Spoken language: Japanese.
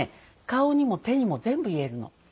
顔にも手にも全部言えるの。